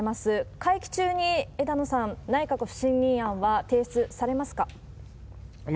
会期中に枝野さん、内閣不信任案は提出されますか？